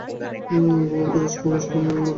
ঘুমন্ত রাজকুমারী, রাজকুমারী ন্যাং ননের মন্দির।